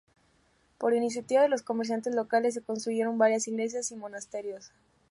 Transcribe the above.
Por iniciativa de los comerciantes locales se construyeron varias iglesias y monasterios.